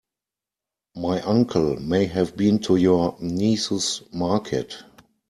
My uncle may have been to your niece's market.